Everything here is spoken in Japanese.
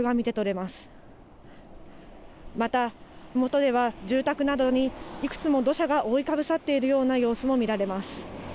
またふもとでは住宅などに、いくつも土砂が覆いかぶさっているような様子も見られます。